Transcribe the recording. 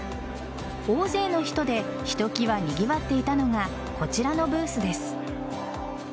大勢の人でひときわにぎわっていたのがこちらのブースです。